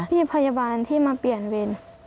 พี่พยาบาลที่มาเปลี่ยนเวร